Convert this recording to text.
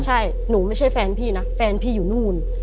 ใช่หนูไม่ใช่แฟนพี่นะแฟนพี่อยู่นู่น